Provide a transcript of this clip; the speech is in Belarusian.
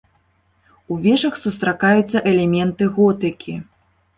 У вежах сустракаюцца элементы готыкі.